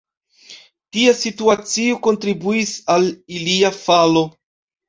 Tia situacio kontribuis al ilia falo.